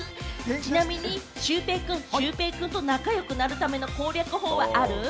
ちなみにシュウペイくん、シュウペイくんと仲良くなるための攻略法ある？